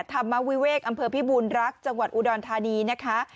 ธรรมวิเวกอำเภอพิบูรณรักษ์จังหวัดอุดรธานีนะคะ